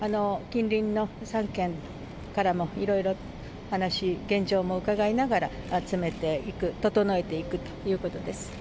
近隣の３県からもいろいろ話、現状も伺いながら詰めていく、整えていくということです。